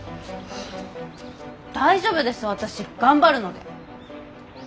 大丈夫です私頑張るので。